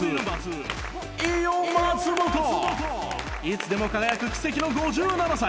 いつでも輝く奇跡の５７歳